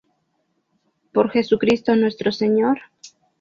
Por Jesucristo Nuestro Señor.